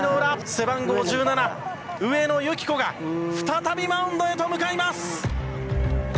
背番号１７上野由岐子が再びマウンドへと向かいます！